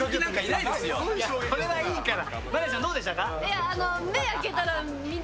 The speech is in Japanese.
これはいいから。